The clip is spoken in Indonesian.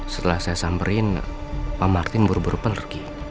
setelah saya samperin pak martin buru buru pergi